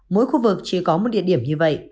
mỗi khu vực chỉ có một địa điểm như vậy